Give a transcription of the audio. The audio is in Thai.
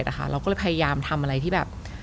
เราก็เลยพยายามทำอะไรที่แบบ